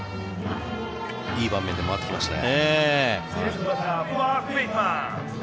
いい場面で回ってきましたね。